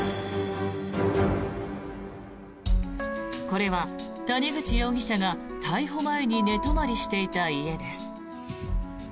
これは谷口容疑者が逮捕前に寝泊まりしていた家です。